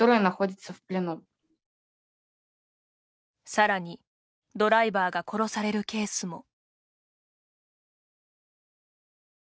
さらに、ドライバーが殺されるケースも。